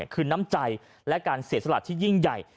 คือน้ำใจและการเสียสละที่ยิ่งใหญ่